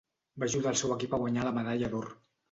Va ajudar al seu equip a guanyar la medalla d'or.